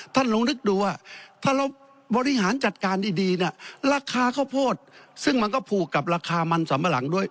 ท่านลองนึกดูว่าถ้าเราบริหารจัดการดีเนี่ยราคาข้าวโพดซึ่งมันก็ผูกกับราคามันสัมปะหลังด้วย